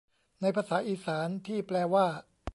ในภาษาอีสานที่แปลว่า